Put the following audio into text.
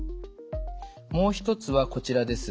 もう一つはこちらです。